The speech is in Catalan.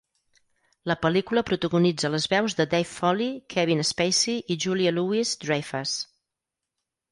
La pel·lícula protagonitza les veus de Dave Foley, Kevin Spacey i Julia Louis-Dreyfus.